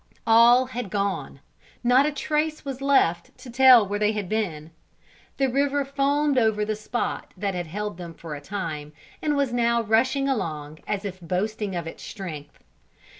All had gone not a trace was left to tell where they had been the river foamed over the spot that had held them for a time, and was now rushing along as if boasting of its strength.